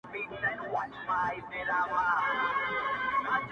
چاچي ليدلی اورېدلی غم په ژوند کي نه وي